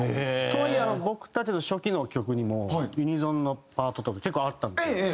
とはいえ僕たちの初期の曲にもユニゾンのパートとか結構あったんですよ。